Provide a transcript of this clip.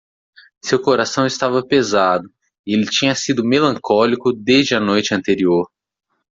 Seu coração estava pesado? e ele tinha sido melancólico desde a noite anterior.